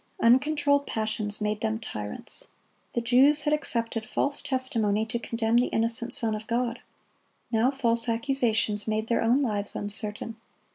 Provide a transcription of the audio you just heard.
Uncontrolled passions made them tyrants. The Jews had accepted false testimony to condemn the innocent Son of God. Now false accusations made their own lives uncertain.